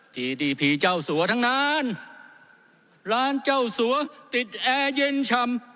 ทีดีพีเจ้าสัวทั้งนานร้านเจ้าสัวติดแอร์เย็นชำ